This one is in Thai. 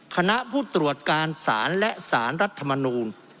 คณะผู้ตรวจการสารและสารรัฐมนูล